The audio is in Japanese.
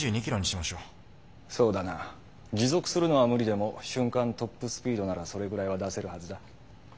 持続するのは無理でも瞬間トップスピードならそれぐらいは出せるはずだ。